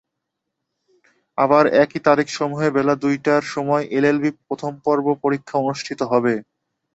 আবার একই তারিখসমূহে বেলা দুইটার সময় এলএলবি প্রথম পর্ব পরীক্ষা অনুষ্ঠিত হবে।